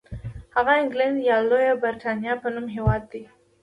هغه انګلنډ یا لویه برېټانیا په نوم هېواد دی.